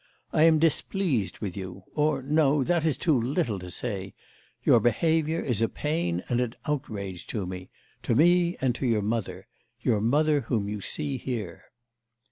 I am displeased with you or no that is too little to say: your behaviour is a pain and an outrage to me to me and to your mother your mother whom you see here.